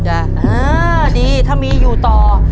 ดีถ้ามีอยู่ต่อ